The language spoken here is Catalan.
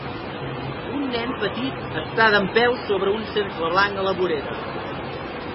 Un nen petit està dempeus sobre un cercle blanc a la vorera.